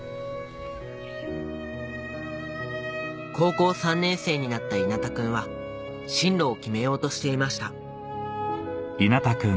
高校３年生になった稲田くんは進路を決めようとしていました